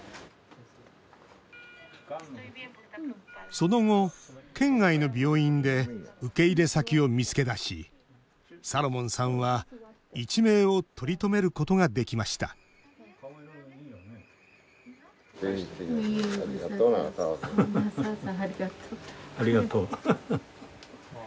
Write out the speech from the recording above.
その後、県外の病院で受け入れ先を見つけ出しサロモンさんは、一命を取り留めることができましたありがとう、長澤さん。